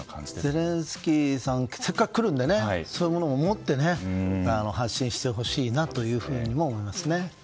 ゼレンスキーさんがせっかく来るのでそういうものももって発信してほしいと思いますね。